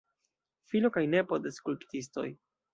Filo kaj nepo de skulptistoj.